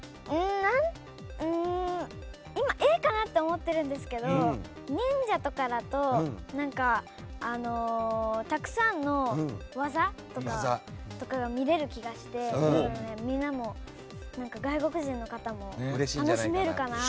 今、Ａかなって思ってるんですけど忍者とかだとたくさんの技とかが見れる気がしてみんなも外国人の方も楽しめるかなと思って。